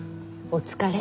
お疲れ。